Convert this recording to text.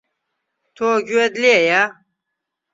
تۆ گوێت لێیە؟